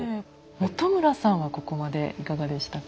元村さんはここまでいかがでしたか？